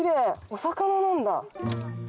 お魚なんだ。